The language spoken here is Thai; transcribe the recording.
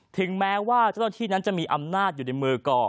ถึงแม้ว่าเจ้าหน้าที่นั้นจะมีอำนาจอยู่ในมือก่อ